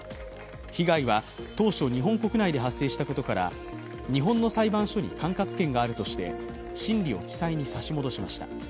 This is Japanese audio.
被害は当初、日本国内で発生したことから日本の裁判所に管轄権があるとして、審理を地裁に差し戻しました。